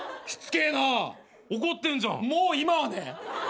もう今はね！